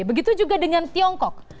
begitu juga dengan tiongkok